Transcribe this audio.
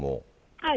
はい。